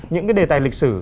những cái đề tài lịch sử